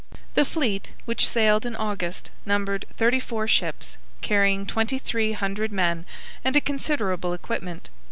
The fleet, which sailed in August, numbered thirty four ships, carrying twenty three hundred men and a considerable equipment.